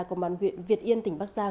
công an viên tỉnh bắc giang tỉnh bắc giang